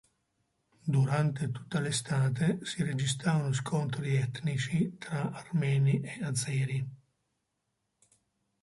Durante tutta l'estate si registrarono scontri etnici tra armeni e azeri.